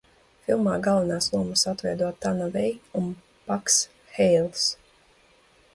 Filmā galvenās lomas atveido Tana Vei un Paks Heils.